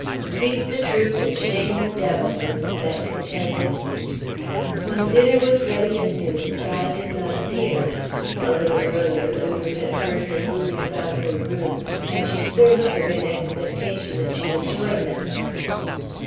"Speak the truth and shame the devil," Mrs. Bett contended. When dinner was ready at noon, Di did not appear. A little earlier Lulu had heard her moving about her room, and she served her in expectation that she would join them.